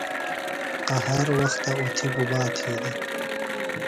قہار وختہ اُتھیۡ گُبا تھی دےۡ؟